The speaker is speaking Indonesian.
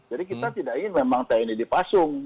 jadi kita tidak ingin memang tni dipasung